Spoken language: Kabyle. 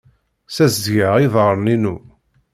Ssazedgeɣ iḍarren-inu.